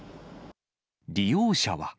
利用者は。